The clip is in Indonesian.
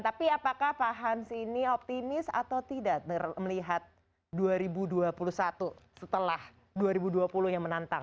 tapi apakah pak hans ini optimis atau tidak melihat dua ribu dua puluh satu setelah dua ribu dua puluh yang menantang